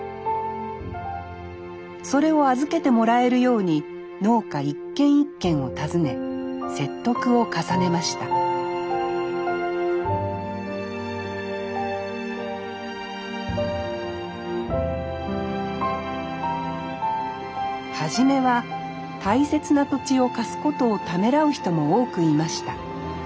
それを預けてもらえるように農家一軒一軒を訪ね説得を重ねました初めは大切な土地を貸すことをためらう人も多くいました。